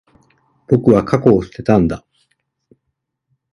僕は、過去を捨てたんだ。